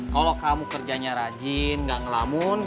kalau kamu kerjanya rajin gak ngelamun